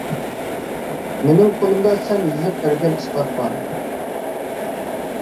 مېنىڭ قولۇمدا سەن يېزىپ بەرگەن ئىسپات بار.